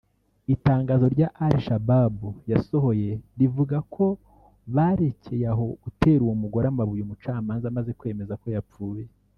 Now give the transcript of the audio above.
Itangazo Al Shabaab yasohoye rivuga ko barekeye aho gutera uwo mugore amabuye umucamanza amaze kwemeza ko yapfuye